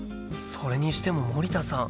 それにしても森田さん